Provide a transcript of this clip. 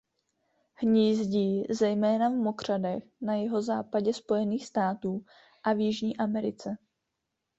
Hnízdí zejména v mokřadech na jihozápadě Spojených států a v Jižní Americe.